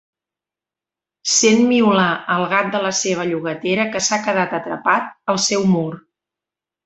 Sent miolar el gat de la seva llogatera que s'ha quedat atrapat al seu mur.